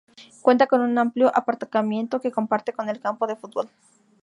Cuenta con un amplio aparcamiento que comparte con el campo de fútbol.